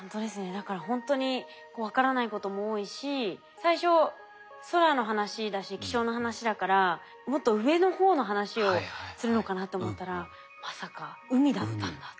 だからほんとに分からないことも多いし最初空の話だし気象の話だからもっと上の方の話をするのかなと思ったらまさか海だったんだと。